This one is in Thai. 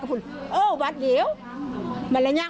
ผู้ชาย